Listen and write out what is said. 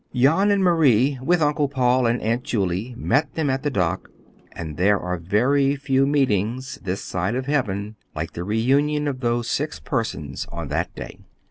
Jan and Marie with Uncle Paul and Aunt Julie met them at the dock, and there are very few meetings, this side of heaven, like the reunion of those six persons on that day.